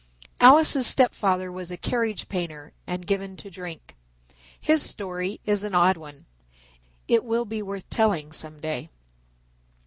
Alice's step father was a carriage painter, and given to drink. His story is an odd one. It will be worth telling some day.